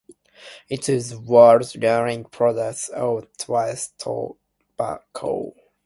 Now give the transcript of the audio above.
It is the world's leading producer of twist tobacco.